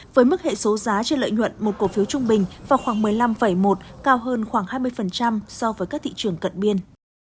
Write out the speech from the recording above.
với mức hệ số giá trên lợi nhuận một cổ phiếu trung bình vào khoảng một mươi năm một cao hơn khoảng hai mươi so với các thị trường cận biên